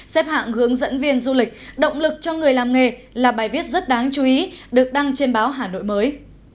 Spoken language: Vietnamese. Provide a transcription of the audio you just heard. xếp hạng hướng dẫn viên du lịch động lực cho người làm nghề là bài viết rất đáng chú ý được đăng trên báo hà nội mới